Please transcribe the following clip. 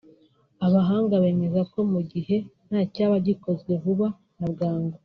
Abahanga bemeza ko mu gihe nta cyaba gikozwe vuba na bwangu